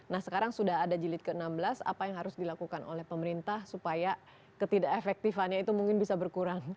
nah sekarang sudah ada jilid ke enam belas apa yang harus dilakukan oleh pemerintah supaya ketidak efektifannya itu mungkin bisa berkurang